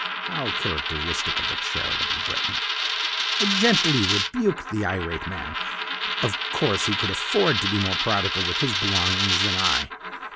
(How characteristic of the charitable Briton.) "I gently rebuked the irate man. Of course, he could afford to be more prodigal with his belongings than I.